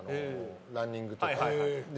ランニングとか。